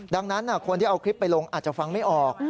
ดังนั้นคนที่เอาคลิปไปลงอาจจะฟังไม่ออก